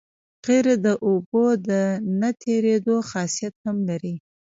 قیر د اوبو د نه تېرېدو خاصیت هم لري